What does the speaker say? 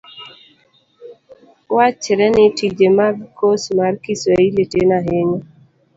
wachre ni tije mag kos mar kiswahili tin ahinya.